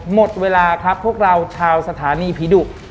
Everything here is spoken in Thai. หมดเวลาครับพวกเราชาวสถานีผีดุ